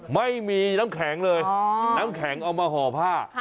ไม่มีน้ำแข็งเลยน้ำแข็งเอามาห่อผ้า